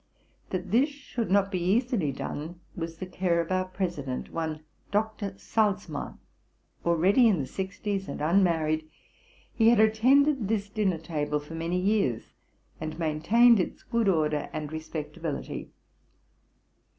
That this should fot be easily done was the care of our president, one Doctor Salzmann. Already in the sixties and unmarried, he had attended this dinner table for many years, and. maintained its good order and re spectability.